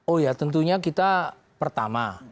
oh ya tentunya kita pertama